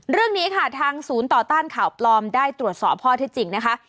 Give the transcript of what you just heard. เรื่องนี้ค่ะทางศูนย์ต่อต้านข่าวปลอมได้ตรวจสอบข้อที่จริงนะคะ